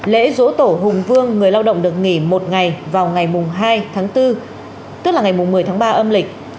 lễ dỗ tổ hùng vương người lao động được nghỉ một ngày vào ngày hai tháng bốn tức là ngày một mươi tháng ba âm lịch